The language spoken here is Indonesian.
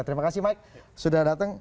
terima kasih mike sudah datang